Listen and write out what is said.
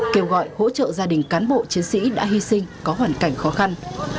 kêu gọi hỗ trợ gia đình cán bộ chiến sĩ đã hy sinh có hoàn cảnh khó khăn